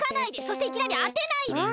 そしていきなりあてないで！